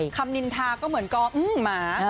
คำนินทาก็เหมือนก้ออื้มหมา